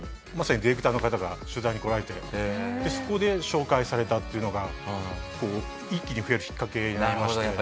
まさにディレクターの方が取材に来られてそこで紹介されたっていうのがこう一気に増えるきっかけになりまして。